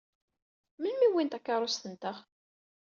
Melmi i wwin takeṛṛust-nteɣ?